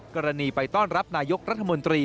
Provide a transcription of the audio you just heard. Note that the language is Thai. กรณีไปต้อนรับนายกรัฐมนตรี